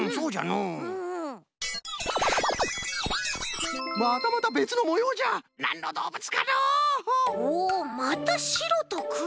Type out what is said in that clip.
おまたしろとくろ？